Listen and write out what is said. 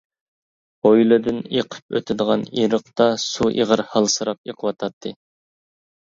ھويلىدىن ئېقىپ ئۆتىدىغان ئېرىقتا سۇ ئېغىر ھالسىراپ ئېقىۋاتاتتى.